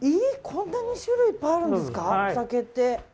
こんなに種類いっぱいあるんですか、お酒って。